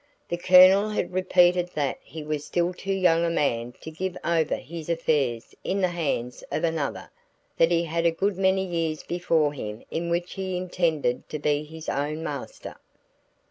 The Colonel had repeated that he was still too young a man to give over his affairs into the hands of another, that he had a good many years before him in which he intended to be his own master.